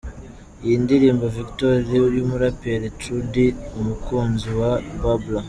Iyi ni Indirimbo Victory y’umuraperi True D, umukunzi wa Babla:.